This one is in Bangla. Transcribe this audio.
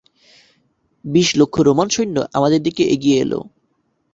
বিশ লক্ষ রোমান সৈন্য আমাদের দিকে এগিয়ে এল।